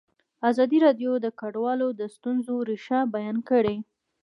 ازادي راډیو د کډوال د ستونزو رېښه بیان کړې.